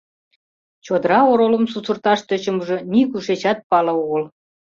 Чодыра оролым сусырташ тӧчымыжӧ нигушечат пале огыл...